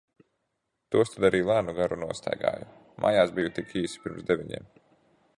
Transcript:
Tos tad arī lēnu garu nostaigāju. Mājās biju tik īsi pirms deviņiem.